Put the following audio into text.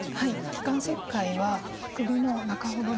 気管切開はくびの中ほどですね